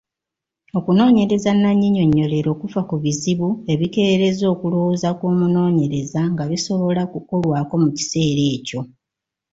Okunoonyereza nnannyinyonnyolero kufa ku bizibu ebikeeyereza okulowooza kw’omunoonyereza nga bisobola kukolwako mu kiseera ekyo.